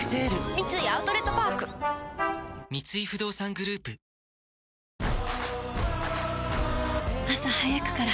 三井アウトレットパーク三井不動産グループ週末が！！